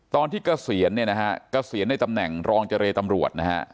เกษียณเนี่ยนะฮะเกษียณในตำแหน่งรองเจรตำรวจนะฮะ